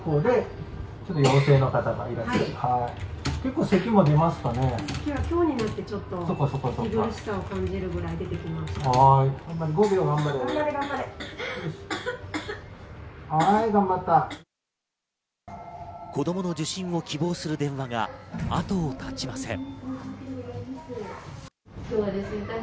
子供の受診を希望する電話が後を絶ちません。